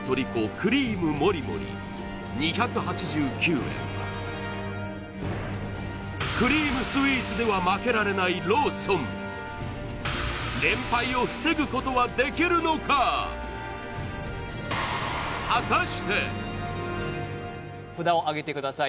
クリームもりもり２８９円はクリームスイーツでは負けられないローソン連敗を防ぐことはできるのか札をあげてください